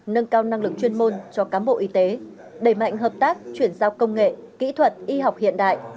nâng cao năng lực chuyên môn cho cám bộ y tế đẩy mạnh hợp tác chuyển giao công nghệ kỹ thuật y học hiện đại